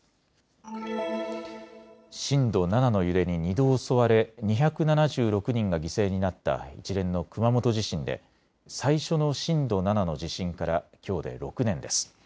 震度７の揺れに２度襲われ２７６人が犠牲になった一連の熊本地震で最初の震度７の地震からきょうで６年です。